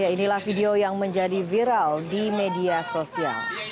inilah video yang menjadi viral di media sosial